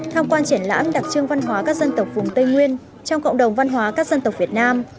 tham quan triển lãm đặc trưng văn hóa các dân tộc vùng tây nguyên trong cộng đồng văn hóa các dân tộc việt nam